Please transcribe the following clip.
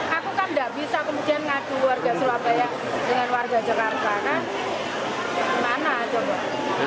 aku kan nggak bisa kemudian ngadu warga surabaya dengan warga jakarta kan